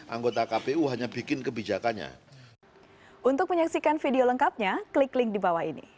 anggota kpu hanya bikin kebijakannya